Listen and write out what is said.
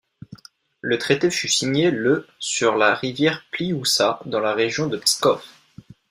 Le traité fut signé le sur la rivière Plioussa dans la région de Pskov.